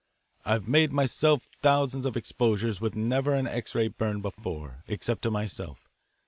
I've made thousands of exposures with never an X ray burn before except to myself.